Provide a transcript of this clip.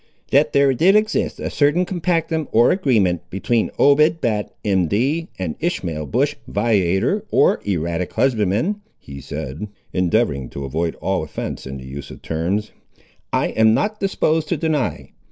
"That there did exist a certain compactum, or agreement, between Obed Batt, M.D., and Ishmael Bush, viator, or erratic husbandman," he said, endeavouring to avoid all offence in the use of terms, "I am not disposed to deny.